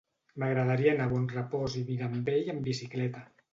M'agradaria anar a Bonrepòs i Mirambell amb bicicleta.